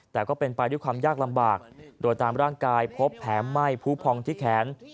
แต่ก็เป็นไปด้วยความยากลำบากโดยตามร่างกายพบแผลไหม้ผู้พองที่แขน